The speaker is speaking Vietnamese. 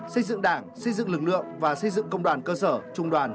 xây dựng đảng xây dựng lực lượng và xây dựng công đoàn cơ sở trung đoàn